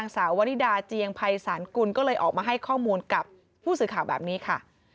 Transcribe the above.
สาววริดาเจียงภัยศาลกุลก็เลยออกมาให้ข้อมูลกับผู้สื่อข่าวแบบนี้ค่ะ